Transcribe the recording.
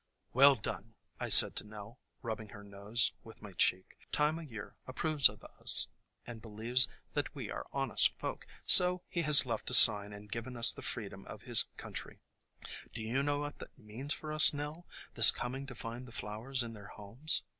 "Well done," I said to Nell, rubbing her nose with my cheek. "Time o' Year approves of us and believes that we are honest folk, so he has 20 THE COMING OF SPRING left a sign and given us the freedom of his coun try. Do you know what that means for us, Nell, this coming to find the flowers in their homes?